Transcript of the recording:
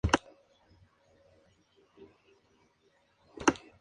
Este puente es considerado como una de las imágenes más emblemáticas de Asturias.